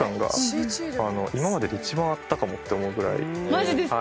マジですか？